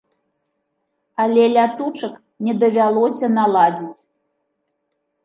Але лятучак не давялося наладзіць.